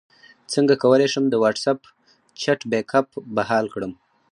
څنګه کولی شم د واټساپ چټ بیک اپ بحال کړم